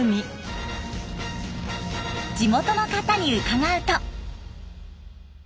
地元の方に伺うと。